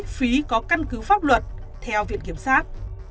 đồng ý có căn cứ pháp luật theo viện kiểm sát